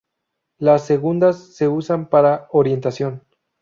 Las segundas se usan para orientación.